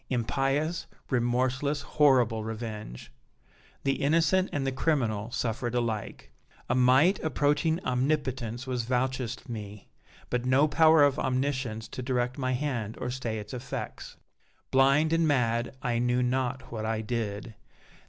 impious, remorseless, horrible revenge! The innocent and the criminal suffered alike. A might approaching omnipotence was vouchsafed me, but no power of omniscience to direct my hand or stay its effects. Blind and mad I knew not what I did.